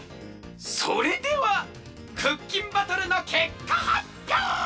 それではクッキンバトルのけっかはっぴょう！